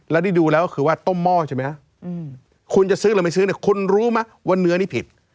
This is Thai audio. แล้วได้ดูแล้วก็คือว่าต้มหม้อใช่ไหมคุณจะซื้อหรือไม่ซื้อเนี่ยคุณรู้ไหมว่าเนื้อนี่ผิด